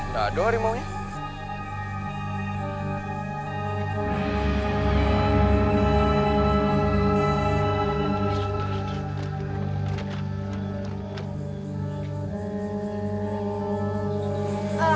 tidak ada harimau nya